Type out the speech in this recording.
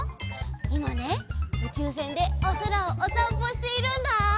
いまねうちゅうせんでおそらをおさんぽしているんだ。